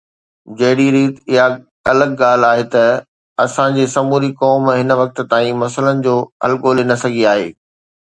جهڙيءَ ريت اها الڳ ڳالهه آهي ته اسان جي سموري قوم هن وقت تائين مسئلن جو حل ڳولي نه سگهي آهي